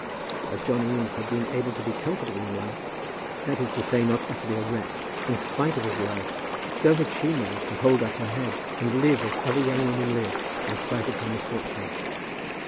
As John Eames had been able to be comfortable in life, that is to say, not utterly a wretch, in spite of his love, so had she managed to hold up her head, and live as other young women live, in spite of her misfortune.